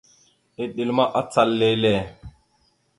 Eɗel ma, acal lele.